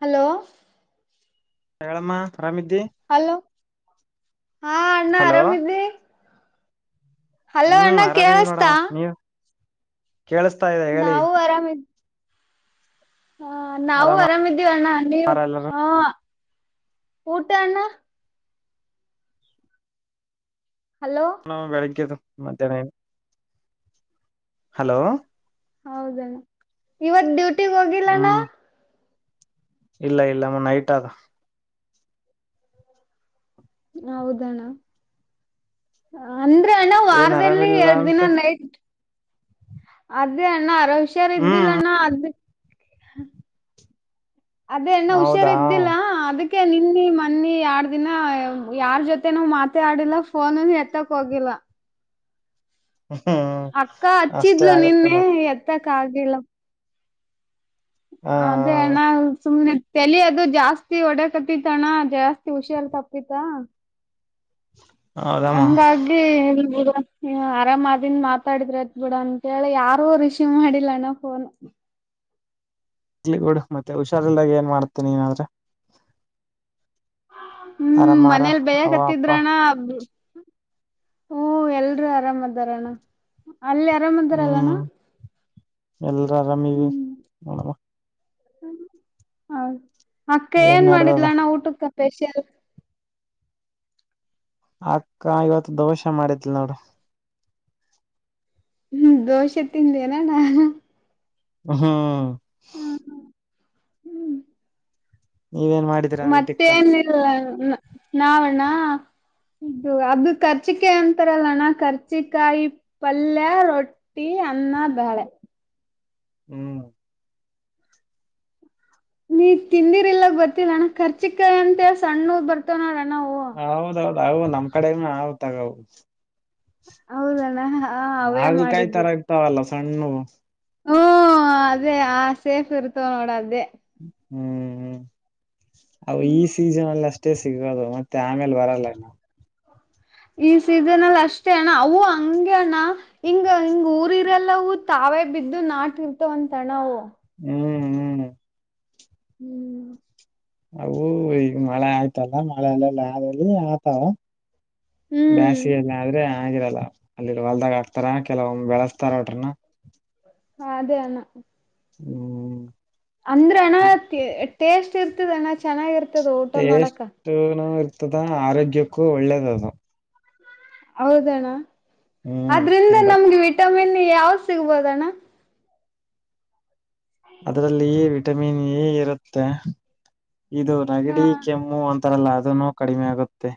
Hello. ಹೇಳಮ್ಮ. ಆರಾಮಿದ್ದಿ hello ಹಾ ಅಣ್ಣ ಹಲೋ ಆರಾಮಿದ್ದಿ. ಹಲೋ ಹ್ಮ್ ಅಣ್ಣ ಕೇಳಸ್ತಾ. ಕೇಳಸ್ತಾ ಇದೆ ಹೇಳಿ. ನಾವು ಹಾ ನಾವು ಆರಾಮಿದ್ದೀವಣ್ಣ ನೀವು ಆರಾಮಲ್ಲ ಹ ಊಟ ಅಣ್ಣ. ಹಲೋ ಉಣ್ಣೆವ ಬೆಳಿಗ್ಗೆದು ಮಧ್ಯಾಹ್ನ. [unintelligible] ಹಲೋ. ಹೌದಣ ಇವತ್ ಡ್ಯೂಟಿಗ್ ಹೋಗಿಲ್ಲನಾ ಹ್ಮ್ ಇಲ್ಲ ಇಲ್ಲ ನೈಟ್ ಆದ ಹೌದಣ ಅಂದ್ರೆ ಅಣ್ಣ ಏನ್ ವಾರದಲ್ಲಿ ಆರಾಮಿಲ್ಲ ಎರಡು ಅಂತ ದಿನ ನೈಟ್ ಅದೇ ಅಣ್ಣ ಅರ ಹುಷಾರ ಇದ್ದಿಲ್ಲ ಹ್ಮ್ ಅಣ್ಣ ಅದ ಅದೇ ಅಣ್ಣ ಹುಷಾರ ಹೌದಾ ಇದ್ದಿಲ್ಲಾ ಅದಕ್ಕೆ ಅಕೆ ನಿನ್ನಿ ಮನ್ನಿ ಯಾರ್ ದಿನ ಯಾರ್ ಜೊತೆ ನಾವ್ ಮಾತಾ ಆಡಿಲ್ಲ ಫೋನಲ್ಲಿ ಎತ್ತಕ್ ಹೋಗಿಲ್ಲ ಹ್ಮ್ ಅಕ್ಕ ಅಷ್ಟೇ ಹಚ್ಚಿದ್ಲು ಆಗುತ್ತೆ ನಿನ್ನೆ ಮತ್ತೆ ಎತ್ತಕ್ಕ ಆಗಿಲ್ಲ ಹ ಅದೇ ಅಣ್ಣ ಸುಮ್ಮ್ನೆ ತಲಿ ಅದು ಜಾಸ್ತಿ ಒಡೆ ಕತ್ತಿತಣ್ಣ ಜಾಸ್ತಿ ಉಷಾರ್ ತಪ್ಪಿತ ಹೌದಮ್ಮ ಹಂಗಾಗಿಬುಡು ಆರಾಮ್ ಆದನ್ ಮಾತಾಡಿದ್ರತ್ ಬಿಡ ಅಂತೇಳಿ ಯಾರು ರಿಸೀವ್ ಮಾಡಿಲ್ಲಣ್ಣ ಫೋನ್ ಇರ್ಲಿ ಬುಡು ಮತ್ತೆ ಹುಷಾರಿಲ್ಲಾಗ ಏನ್ ಮಾಡ್ತೇನೆ ನೀನಾದ್ರೆ ಹ್ಮ್ ಆರಾಮಾರ ಮನೇಲಿ ಅವ ಬೇಯಕ್ ಅಪ್ಪ ಹತ್ತಿದ್ರಣ ಹಓ ಎಲ್ರುೂ ಆರಾಮದಾರಣ್ಣ ಅಲ್ಲಿ ಆರಾಮದಾರಲ್ಲಾನ ಎಲ್ಲರೂ ಆರಾಮಿದ್ದೀವಿ ಹ ಹೌ ಅಕ್ಕ ಏನ್ ಮಾಡಿದ್ಲ ಅಣ್ಣ ಊಟಕ್ಕ ಸ್ಪೆಷಲ್ ಅಕ್ಕ ಇವತ್ ದೋಸೆ ಮಾಡಿದ್ಲು ಹ್ಮ್ ದೋಸೆ ತಿಂದೇನಾ ಹ್ಮ ಹ್ಮ ಹ್ಮ ಹ್ಮ್ ನೀವೇನ್ ಮಾಡಿದೀರಾ ಊಟಕ್ಕ ಮತ್ತೇನಿಲ್ಲ ನಾವಣ್ಣ ಹೌದು ಅದು ಕರ್ಚಿಕಾಯಿ ಅಂತಾರಲ್ಲಣ ಕರ್ಚಿಕಾಯಿ ಪಲ್ಯ ರೊಟ್ಟಿ ಅನ್ನ ಬೇಳೆ ಹ್ಮ್ ನೀ ತಿಂದಿರ್ ಇಲ್ಲ ಬರ್ತ್ತಿಲ್ಲ ಅಣ್ಣ ಕರ್ಚಿಕಾಯಿ ಅಂತ ಸಣ್ಣ ಬರ್ತವ ನೋಡಣ ಹೌದೌದ ಹೌದ ನಮ್ ಕಡೆ ಆತ್ಗೌದು ಹೌದಲ್ಲ ಆಗ್ಲಿ ಕಾಯಿ ತರ ಇಗ್ತಾವಲ್ಲ ಸಣ್ಣ ಹ್ಮ್ ಅದೇ ಆ ಸೇಫ್ ಇರ್ತವ ನೋಡ ಅದೇ ಹ್ಮ್ ಹ್ಮ್ ಅ ಈ ಸೀಸನ್ ಅಲ್ಲಿ ಅಷ್ಟ ಮತ್ತೆ ಸಿಗೋದು ಮತ್ತೆ ಆಮೇಲೆ ಬರಲ್ಲ ಈ ಸೀಸನ್ ಅಲ್ಲಿ ಅಷ್ಟೇ ಅಣ್ಣ ಅವು ಹಂಗಗೆ ಅಣ್ಣ ಹಿಂಗ ಹಿಂಗ ಊರಿ ಇರೆಲ್ಲವೂ ತ ಅವೇ ಬಿದ್ದು ನಾಟ ಇರ್ತ ಒಂದ ತಣವು ಹ್ಮ್ ಹ್ಮ್ ಹ್ಮ್ ಅವು ಈಗ ಮಳೆ ಆಯ್ತಲ್ಲ ಮಳೆ ಅಲ್ಲೆಲ್ಲ ಆದಲ್ಲಿ ಆತಾವ ಹ್ಮ್ ಬ್ಯಾಸಿಯಲ್ಲ ಆದ್ರೆ ಚೆನ್ನಾಗಿರಲ್ಲ ಅಲ್ಲಿ ಹೊಲ್ದಾಗ ಹಾಕ್ತಾರ ಕೆಲವೊ್ ಬೆಳೆಸ್ತಾರ ಹೊಟ್ರನ್ನ ಹಾ ಅದೇ ಅಣ್ಣ ಹ್ಮ್ ಅಂದ್ರೆ ಅಣ ಟೇಸ್ಟ್ ಇರ್ತದ ಅಣ್ಣ ಚನ್ನಾಗಿರ್ತ ಟೇಸ್ಟ್ನು ಇರ್ತದ ಆರೋಗ್ಯಕ್ಕೂ ಒಳ್ಳೇದ ಅದು ಹೌದಣ್ಣ ಹ್ಮ್ ಆದ್ರಿಂದ ತಿನ್ಬೇಕು ನಮ್ಗೆ ವಿಟಮಿನ್ ಯಾವ ಸಿಗ್ಬೋದಣ್ಣ ಅದ್ರಲ್ಲಿ ವಿಟಮಿನ್ ಎ ಇರುತ್ತೆ ಇದು ಹ ನಗಡಿ ಕೆಮ್ಮು ಅಂತ ಆಥರಲ್ಲ ಅದನೋ ಕಡಿಮೆ ಆಗುತ್ತೆ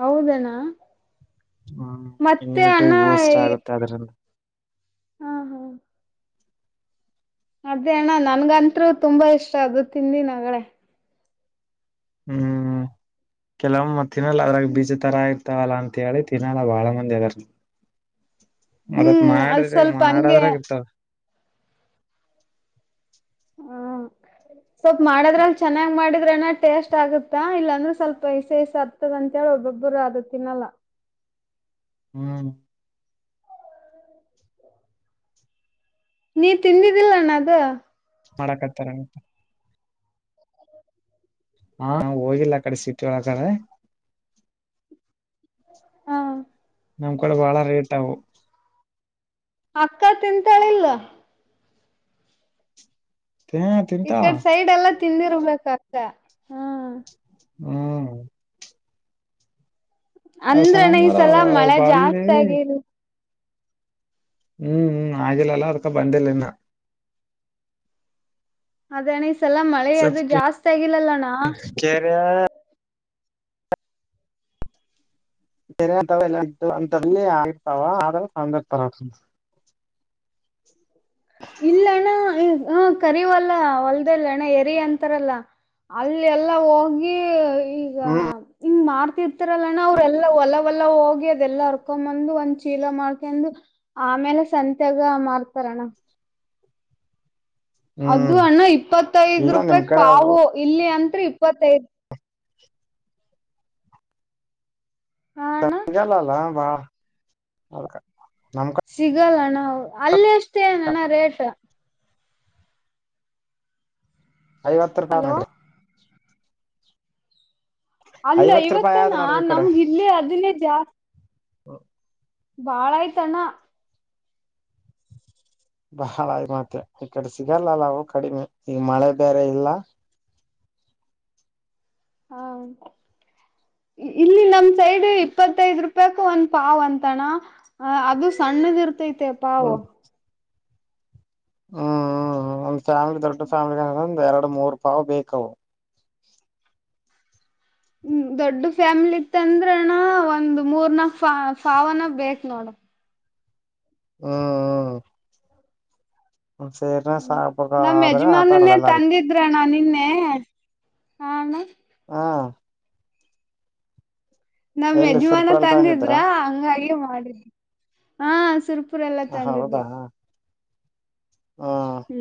ಹೌದಣ್ಣ ಹ್ಮ್ ಮತ್ತೆ ಇಮ್ಯುನಿಟಿ ಅಣ್ಣ ವೂಸ್ ಆಗುತ್ತೆ ಅದ್ರಿಂದ ಹಾ ಹಾ ಅದೇ ಅಣ್ಣ ನನ್ಗಂತ್ರು ತುಂಬಾ ಇಷ್ಟ ಅದು ತಿಿಂದಿ ನಗಗಳೇ ಹ್ಮ್ ಕೆಲವೊಮ್ಮ್ ಮತ್ತಿನ್ರಾಗ ಬಿಸಿ ತರ ಆಯ್ತ ಇತ್ತವಲ್ಲ ಅಂತ ಹೇಳಿ ತಿನ್ನಲ್ಲ ಬಾಳ ಮಂದಿ ಆದರದ ಅದಕ ಹ್ಮ್ ಅದ್ ಮಾಡಿದ್ರೆ ಸ್ವಲ್ಪ ಹಂಗೆ ಮಾಡದ್ರಾಗ ಹ ಇರ್ತವ ಹಾ ಸ್ವಲ್ಪ ಮಾಡದ್ರಲ್ ಚೆನ್ನಾಗ್ ಮಾಡಿದ್ರನ ಟೇಸ್ಟ್ ಆಗುತ್ತಾ ಇಲ್ಲಾಂದ್ರೆ ಸ್ವಲ್ಪ ಇಸೆ ಇಸ ಹತ್ತದ ಅಂತೇಳ ಒಬ್ಬ ಒಬ್ಬರ ಆದ ತಿನ್ನಲ್ಲ ಹ್ಮ್ ನೀ ತಿಂದಿದ್ದಿಲ್ಲಣ್ಣ ಅದು ಮಾಡಕತ್ತಾರ ಅಂತ ಹಾ ಹೋಗಿಲ್ಲ ಆ ಕಡೆ ಸಿಟಿ ಒಳಗಡೆ ಹಾ ನಮ್ ಕಡೆ ಬಾಳ ರೇಟ್ ಅವು ಅಕ್ಕ ತಿಂತಾಳಿಲ್ಲ ಹ ತಿಂತಾಳ ತಿಂದಿರಬೇಕು ಅಕ್ಕ ಹಾ ಹ್ಮ್ ಅಂದ್ರೇನೆ ಸಣಮ್ಮರ ಅವ್ರ ಈಸಲ ಅವ್ರ ಮಳೆ ಬಾಲ್ಲಿ ಜಾಸ್ತಿ ಆಗಿಲ್ಲ ಹ್ಮ್ ಹ್ಮ್ ಆಗಿಲ್ಲಲ್ಲ ಅದ್ಕ ಬಂದಿಲ್ಲ ಇನ್ನ ಅದೇಣ್ಣ ಈ ಸಲ ಮಳೆ ಅದು ಜಾಸ್ತಿ ಆಗಿಲ್ಲಲ್ಲಣ್ಣ ಕೇರಿಯ ಕರಿವ ಹಂತಲ್ಲಿ ಆಗಿರುತಾವ ಅದರ ತಂದಿರ್ತಾರ್ ಇಲ್ಲ ಅಣ್ಣ ಹ ಕರಿವಲ್ಲ ಹೊಲ್ದೆೇ ಇಲ್ಲ ಅಣ್ಣ ಎರಿ ಅಂತಾರಲ್ಲ ಅಲ್ಲಿ ಎಲ್ಲಾ ಹೋಗಿ ಈಗ ಹ್ಮ್ ಹಿಂಗ್ ಮಾಡ ತಿರ್ತಾರಲ್ಲಣ್ಣ ಅವ್ರಲ್ಲ ಹೊಲ ಹೊಲ ಹೋಗಿ ಅದೆಲ್ಲಾ ಹರ್ಕೊಂಡ್ ಬಂದು ಒಂದ್ ಚೀಲ ಮಾಡ್ಕೊಂಡ್ ಆಮೇಲೆ ಸಂತ್ಯಾಗ ಮಾರ್ತಾರಣ್ಣ ಅದು ಹ್ಮ್ ಅಣ್ಣ ಇಪ್ಪತ್ತೈದ ಇಲ್ಲ ನಿಮ್ ರೂಪಾಯಕ್ ಕಡೆ ಅವು ಪಾವು ಇಲ್ಲಿ ಅಂದ್ರ ಇಪ್ಪತ್ತೈದ ಹ ಅಣ್ಣ ಸಂಜಾಲಲ್ಲಾ ಬಾಳ್ ಅದಕ ಸಿಗಲ್ಲಣ್ಣ ಅಲ್ಲಿ ಎಸ್ಟ್ ಹೇಳಿಲಣ್ಣ ರೇಟ್ ಐವತ್ತು ರೂಪಾಯಿ ಹಲೋ ಮಾಡಿರಿ ಅಲ್ಲ ಐವತ್ ಐವತ್ತು ರೂಪಾಯಿ ಅಣ್ಣ ಆದ್ ನೋಡ್ರಿ ಈ ಕಡೆ ನಮ್ಗ ಇಲ್ಲಿ ಹದಿನೈದು ಜಾಸ್ತಿ [unintelligible] ಬಾಳ ಆಯ್ತಣ ಬಾಳ ಮತ್ತೆ ಈ ಕಡೆ ಸಿಗಲ್ಲಲ್ಲಾವು ಕಡಿಮೆ ಈಗ ಮಳೆ ಬೇರೆ ಇಲ್ಲ ಹಾ ಈ ಇಲ್ಲಿ ನಮ ಸೈಡ್ ಇಪ್ಪತ್ತೈದ್ ರೂಪಾಯಕ ಒಂದ್ ಪಾವ್ ಅಂತಾನ ಅದು ಸಣ್ಣದ ಇರ್ತ ಇರ್ತೈತೆ ಪಾವು ಹ್ಮ್ ಹ್ಮ್ ಒಂದ್ ಫ್ಯಾಮಿಲಿ ದೊಡ್ಡ ಫ್ಯಾಮ್ಲಿ ಒಂದ್ ಎರಡು ಮೂರುೂ ಪಾವ್ ಬೇಕವು ಹ್ಮ್ ದೊಡ್ಡ ಫ್ಯಾಮಿಲಿ ಇತ್ತ ಅಂದ್ರಣ ಒಂದ್ ಮೂರ್ ನ ಪಾವನ ಬೇಕ ನೋಡ ಹ್ಮ್ ಹ್ಮ್ ಹ ಸಾಕ್ಬೇಕ ನಮ್ ಆದ್ರೆ ಆತ ನೋಡ ಯಜಮಾನನ್ನೇ ಎಲ್ಲಾರ್ಗ ತಂದಿದ್ರಣ ನಿನ್ನೆ ಹ ಅಣ್ಣ ಹಾ ನಮ್ ಎಲ್ಲಿ ಯಜಮಾನ ಸುರ್ಪುರಲ್ ತಂದಿದ್ರ ಹಂಗಾಗಿ ಮಾಡಿದ ಹ ಸುರ ರೆ ಎಲ್ಲಾ ಹೌದಾ ತಂದಿದ್ರು ಹ್ಮ್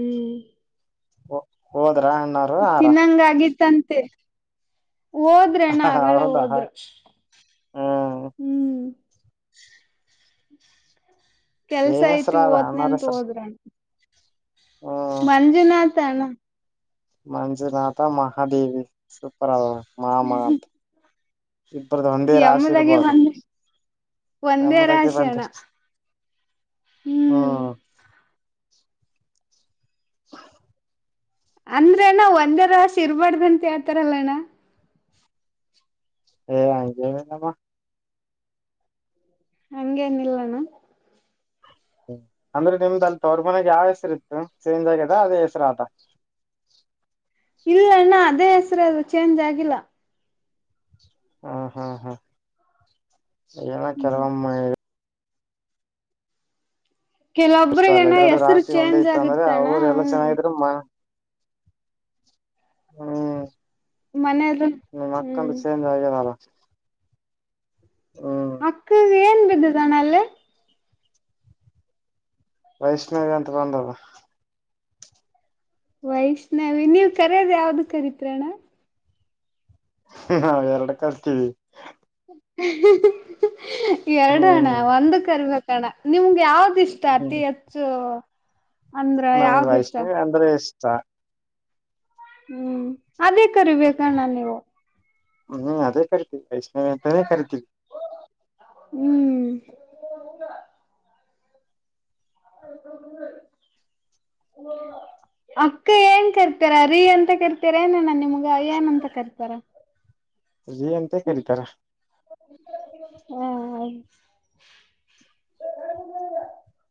ಹ ತಿನ್ನಂಗ ಆಗಿತ್ತಂತೆ ಹೋದ್ರೆ ಅಣ್ಣ ಆಗಳೇ ಹೌದಾ ಹೋದ್ರರು ಹ್ಮ್ ಹ್ಮ್ [unintelligible] ಕೆಲ್ಸ ಏನ್ ಹೆಸರ ಐತಿ ಅದ ಹೋತಿನಿ ಅಣ್ಣಾರ ಅಂತ ಹೆಸರು ಹೋದ್ರಣ ಮಂಜುನಾಥಾ ಅಣ್ಣ ಮಂಜುನಾತ ಮಹಾದೇವಿ ಸೂಪರ್ ಹಾಗೆ ಮ ಮ ಅಂತ ಇಬ್ಬರ್ದು ಒಂದೇ ರಾಶಿ ಯಮ್ಮದಾಗಿ ಇರ್ಬೋದು ಒಂದ ಒಂದೇ ನಮ್ಮದಕ್ಕೆ ರಾಶಿ ಬಂತೆ ಅಣ್ಣ ಹ್ಮ ಹ್ಮ್ [inaudible] ಅಂದ್ರಣ ಒಂದೇ ರಾಶಿ ಇರ್ಬಾರಡ್ದ ಅಂತ ಹೇಳ್ತಾರಲ್ಲ ಅಣ್ಣ ಹೇ ಹಾಗೇನಿಲ ಮೆ ಹಂಗೇ ನಿಲ್ಲಾಣ್ಣ ಅಂದ್ರೆ ನಿಮ್ದ ತವರು ಮನೆ ಯಾವ ಹೆಸರು ಇತ್ತು ಚೇಂಜ್ ಆಗ್ಯದ ಅದೇ ಹೆಸರು ಆತಾ [inaudible] ಇಲ್ಲ ಅಣ್ಣ ಅದೇ ಹೆಸರು ಅದು ಚೇಂಜ್ ಆಗಿಲ್ಲ ಹ್ಮ ಹ್ಮ ಹ್ಮ್ ಏನ ಕೆಲವಮ್ಮ ಇಷ್ಟ ಅಲ್ಲ ಕೆಲೊಬ್ರಗಣ ಎರಡು ಹೆಸರು ರಾಶಿ ಒಂದೇ ಚೇಂಜ್ ಇತ್ತು ಅಂದ್ರೆ ಆಗತ್ತಣ್ಣ ಅವ್ರ ಎಲ್ಲಾ ಹ್ಮ ಚೆನ್ನಾಗಿದ್ರ ಹ್ಮ್ ಮನೇದು ನಿಮ್ ಅಕ್ಕಾದು ಹ್ಮ್ ಸೇಜ ಆದಾರಾ ಹ ಅಕ್ಕ ಏನ್ ಬಿದ್ದ ಅಣ್ಣ ಅಲ್ಲಿ ವೈಷ್ಣವಿ ಅಂತ ಬಂದದ ವೈಷ್ಣವಿ ನೀವ್ ಕರದ್ ಯಾವ್ದು ಕರೀತ್ರಣ್ಣ ನಾವ ಎರಡು ಕಲ್ತೀವಿ ಎರಡು ಅಣ್ಣ ಹ್ಮ್ ಒಂದ ಕರಿಬೇಕಣ್ಣ ನಿಮ್ಗೆ ಯಾವ್ದ ಇಷ್ಟಾಅತಿ ಹೆಚ್ಚು ಅಂದ್ರ ನಮ್ಗ ಯಾವ್ದ್ ಇಷ್ಟ ವೈಷ್ಣವಿ ಅಂದ್ರೆ ಇಷ್ಟ ಹ್ಮ್ ಅದೇ ಕರಿಬೇಕಣ್ಣ ನೀವು ಹ್ಮ್ ಅದೇ ಕರಿತೀವಿ ವೈಷ್ಣವಿಯ ಅಂತಾನೇ ಕರಿತೀವಿ ಹ್ಮ್ ಹ [inaudible] ಅಕ್ಕ ಏನ್ ಕರ್ತಾರ ರೀ ಅಂತ ಕರ್ತಾರ ಏನ ನ ನಿಮ್ಗ ಅಯ್ಯನ ಅಂತ ಕರ್ತಾರ [inaudible] ರೀ ಎಂತ ಕರತಾರ ಹ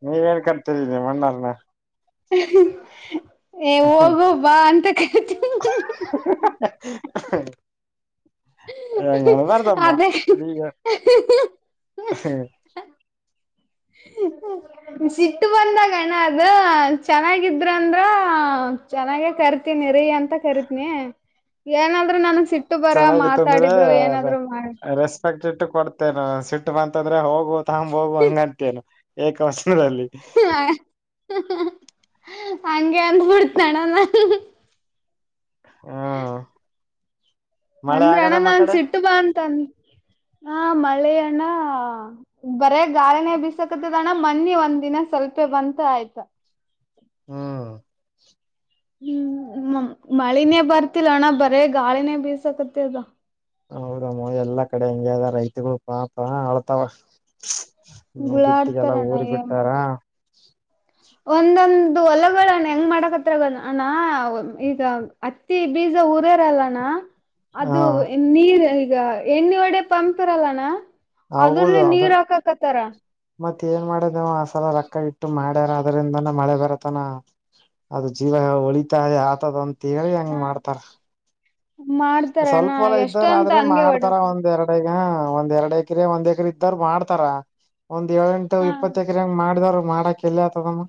ನೀವ ಕರೀತೀರಿ ನಿಮ್ ಅಣ್ಣವರ್ಣ ಹೇ ಹೋಗು ಬಾ ಅಂತ ಕರೀತೀನಿ [inaudible] ಎಂಗನಲ್ಲರ್ತಮ್ಮ ಅದೇ [inaudible] ಸಿಟ್ಟು ಬಂದಾಗ ಅಣ್ಣ ಅದ ಚೆನ್ನಾಗಿದ್ರ ಅಂದ್ರ ಚೆನ್ನಾಗೆ ಕರಿತೀನಿ ರೀ ಅಂತ ಕರಿತನಿ ಏನಂದ್ರೆ ನ ಸಿಟ್ಟು ಬರ ಚೆನ್ನಾಗಿತ್ತು ಅಂದ್ರೆ ಮಾತಾಡಿದ್ರು ಏನಾದ್ರು ಮಾಡ ಟ್ಟ ಕೊಡ್ತೇನು ಸಿಟ್ಟು ಬಂತಂದ್ರೆ ಹೋಗು ತಂಬ್ ಹೋಗು ಹಂಗಂತೇನು ಏಕ ವಚನ [unintelligible] ಹಂಗೆ ಅಂದಬಡ್ತಣಲ್ಲ ಹಾ ಅಂದ್ರ ಅಣ್ಣ ನಾ ಸಿಟ್ಟ ಬಾ ಅಂತಂದ ಆ ಮಳೆ ಅಣ್ಣ ಬರೇ ಗಾಳಿನೇ ಬಿಸಕತ್ತದಣ್ಣ ಮನ್ನಿ ಒಂದ್ ದಿನ ಸ್ವಲ್ಪೆ ಬಂತ ಆಯ್ತ ಹ್ಮ ಹ್ಮ್ ಮಳಿನೇ ಬರ್ತಿಲ್ಲ ಅಣ್ಣ ಬರೇ ಗಾಳಿನೇ ಬೀಸಾಕತ್ತ ಅದ ಹೌದಮ್ಮ ಎಲ್ಲಾ ಕಡೆ ಹೆಂಗಗೆದ ರೈತಗಳು ಪಾಪ ಆಳ್ತಾವ ಹ್ಮ ಬಿತ್ತಿಗೆಲ್ಲ ಗುಳಾಡ್ತಾರಣ್ಣ ಊರ್ ಏನ್ ಮಾಡ ಬಿಟ್ಟಾರಾ ಒಂದೊಂದು ಅದು ಹೊಲಗಗಳಣ್ಣ ಹೆಂಗ್ ಮಾಡಕತ್ರ ಅಣ್ಣ ಈಗ ಹತ್ತಿ ಬೀಜ ಉಊರರಲ್ಲಣ್ಣ ಹ ಅದು ನೀರ್ ಈಗ ಎಣ್ಣೆ ಒಡೆ ಪಂಪ್ರಲ್ಲನಾ ಅದ್ರಲ್ಲಿ ನೀರ್ ಹಾಕಕತ್ತಾರ ಮತ್ ಏನ್ ಮಾಡದ ನೀವ್ ಆಸಲ ರೊಕ್ಕ ಇಟ್ಟು ಮಾಡ್ಯಾರ ಅದ್ರಿಂದಾನ ಮಳೆ ಬರತನ ಅದು ಜೀವ ಹೊಳಿತಾರೆ ಆತದ ಅಂತೇಳಿ ಹೆಂಗ ಮಾಡ್ತಾರ ಮಾಡ್ತಾರಣ್ಣ ಸ್ವಲ್ಪ ಹೊಲ ಎಷ್ಟ ಇದ್ದವ್ರ ಅಂತ ಆದ್ರೆ ಹಂಗೆ ಮಾಡ್ತಾರ ಹೊಡಕ ಒಂದ್ ಎರಡ ಐದು ಹ ಒಂದ್ ಎರಡ್ ಎಕರೆ ಒಂದ್ ಎಏಕರೆ ಇದ್ದ್ರರು ಮಾಡ್ತಾರ ಒಂದ್ ಏಳೆಂಟು ಹ ಇಪ್ಪತ್ತ ಎಕರೆ ಹೆಂಗ್ ಮಾಡಿದವ್ ಮಾಡಕ್ ಎಲ್ಲ ಆತದಮ್ಮ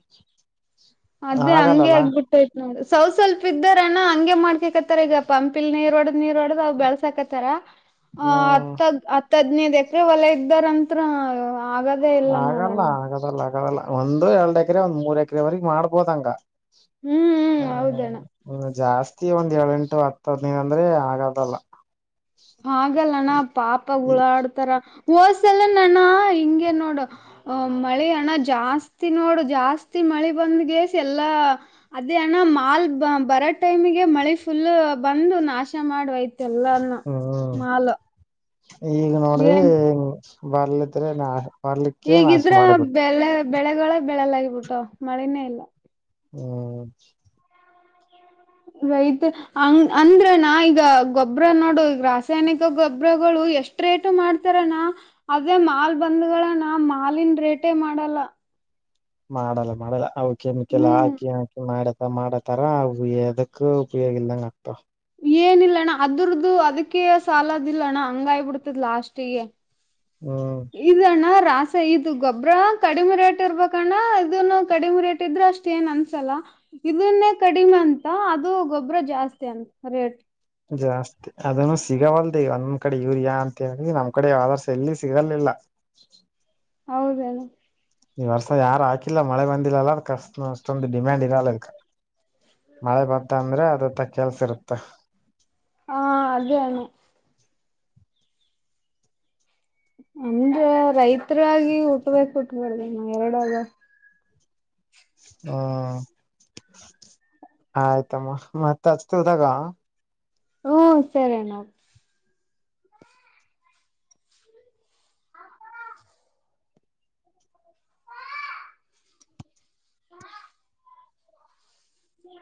ಅದೇ ಹಂಗೆ ಆಗಲ್ಲಲ್ಲ ಆಗ್ಬಿಟ್ಟೈತ್ ನೋಡ್ರ ಸವ ಸ್ವಲ್ಪ ಇದ್ದಾರಣ್ಣ ಹಂಗೆ ಮಾಡ್ ಕತ್ತ ಈಗ ಪಂಪ್ಿಲ್ ನೀರ್ ಒಡದ್ ನೀರ್ ಒಡದು್ ಬೆಳಸಾಕತ್ತಾರ ಅ್ ಹ್ಮ್ ಹತ್ತ ಹತ್ತದ ಹದ್ನೈದ್ ಎಕ್ರ ಹೊಲ ಇದ್ದಾರಂತ್ರ ಆಗದೇ ಇಲ್ಲ ನೋಡೋಣ ಲ್ಲ ಒಂದು ಎರಡ್ ಎಕರೆ ಒಂದ್ ಮೂರ್ ಎಕರೆವರೆಗ್ ಮಾಡ್ಬೋದಂಗ ಹ್ಮ್ ಹ್ಮ್ ಹೌದಣ್ಣ ಹ್ಮ ಜಾಸ್ತಿ ಪ್ರತಿ ಒಂದ್ ಏಳ ಎಂಟು ಹತ್ತ ಹದನೈದ ಅಂದ್ರೆ ಆಗದಲ್ಲ ಹಾಗಲ್ಲನಾ ಪಾಪ ಉುಳ ಆಡ್ತಾರ ಹೋದ್ಸಲ ನಣ ಹಿಂಗಗೆ ನೋಡು ಮಳೆ ಅಣ ಜಾಸ್ತಿ ನೋಡು ಜಾಸ್ತಿ ಮಳ ಬಂದಲ್ಲ ಅದೇಣ ಮಾ ಬ ಟೈಮ ಮಳಿ ಫುಲ್ ಬಂದು ನಾಶ ಮಾಡುವಯ್ತೆ ಎಲ್ಲಾನ ಹ್ಮ್ ಮಾಲ್ ಈಗ ನೋಡ್ರಿ ಏನ್ ಬರ್ಲತ್ ನಾ ಬರ್ಲಿಕ್ಕೆ ನಾಶ ಈಗಿದ್ರ ಮಾಡಿಬಿಟ್ಟು ಬೆಳೆ ಬೆಳೆಗಳ ಬೆಳೆಲ್ಾಗಿಬಿಟ್ಟು ಮಳನೇ ಇಲ್ಲ ಹ್ಮ್ ರೈತ ಹಂಗ ಅಂದ್ರನಾ ಈಗ ಗೊಬ್ಬ್ರ ನೋಡು ಈ ರಾಸಾಯನಿಕ ಗೊಬ್ಬ್ರಗಳು ಎಷ್ಟ್ ರೇಟ ಮಾಡ್ತಾರನಾ ಅದೇ ಮಾಲ್ ಬಂದ್ಗಳನ ಮಾಲಿನ ರೇಟೇ ಮಾಡಲ್ಲ ಮಾಡಲ್ಲ ಮಾಡಲ್ಲ ಅವ ಕೆಮಕ್ಕೆಲ್ಲ ಹ್ಮ್ ಹಾಕಿ ಹಾಕಿ ಮಾಡ ಮಾಡತರ್ಯದಕ್ಕೂ ಉಪಯೋಗ ಇಲ್ದಂಗ ಆಗ್ತವ ಏನಿಲ್ಲ ಅಣ್ಣ ಅದರ್ದು ಅದಕ್ಕೆ ಸಾಲದಿಲ್ಲ ಅಣ್ಣ ಹಂಗಾಯಬಿಡ್ತದ ಲಾಸ್ಟಿಗೆ ಹ್ಮ್ ಇದ ನ ಪ್ರಾಸೆ ಇದು ಗೊಬ್ಬ್ರ ಕಡಿಮೆ ರೇಟ್ ಇರ್ಬೇಕಣ್ಣ ಇದನ್ನು ಕಡಿಮೆ ರೇಟ್ ಇದ್ರೆ ಅಷ್ಟು ಏನ್ ಅನ್ಸಲ್ಲ ಇದನ್ನೇ ಕಡಿಮೆ ಅಂತ ಅದು ಗೊಬ್ಬರ ಜಾಸ್ತಿ ಅಂತ ರೇಟ್ ಜಾಸ್ತಿ ಅದನ್ನು ಸಿಗವಲ್ದಿ ಒಂದ್ ಕಡೆ ಯೂರಿಯಾ ಅಂತ ಹೇಳಿ ನಮ್ ಕಡೆಾವರ್ ಎಲ್ಲಿ ಸಿಗಲ್ಿಲ್ಲ ಹ ಹೌದಣ ಈ ವರ್ಷ ಯಾರು ಹಾಕಿಲ್ಲ ಮಳೆ ಬಂದಿಲ್ಲಲ್ಲ ಅಷ್ಟ ಅಷ್ಟೊಂದು ಡಿಮ್ಯಾಂಡ್ ಇರಲ್ಲ ಇದಕ ಮಳೆ ಬತ ಅಂದ್ರೆ ಅದತ್ತ ಕೆಲ್ಸ ಇರುತ್ತ ಹ ಅದೇ ಅಣ್ಣ ಅಂದ್ರ ರೈತರಾಗಿ ಉಟ್ಬೇಕು ಉಟ್ಬಡ್ದ ನ ಎರಡಗ ಹಾ ಆ ಆಯ್ತಮ್ಮ ಮತ್ತ ಅಚ್ತ್ ಹದಾಗ ಹ್ಮ ಸರಿನಾ ಹ ಹ್ಮ